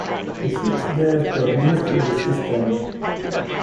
He sits there to administer the system.